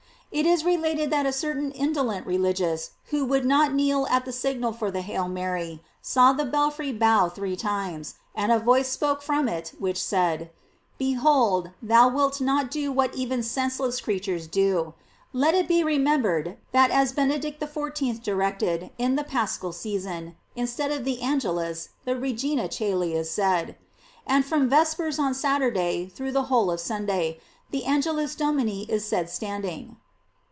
It is related that a certain indolent religious, who would not kneel at the signal for the "Hail Mary," saw the belfry bow three times, and a voice spoke from it which said: Behold, thou wilt not do what even sense less creatures do. Let it be remembered, that as Benedict XIV. directed, in the Paschal sea son, instead of the Angelus the "Regina Cceli" is said. And from Vespers on Saturday, through the whole of Sunday, the Angelus Domini is said standing.